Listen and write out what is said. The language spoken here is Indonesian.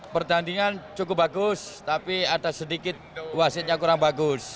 pertandingan cukup bagus tapi atas sedikit wasitnya kurang bagus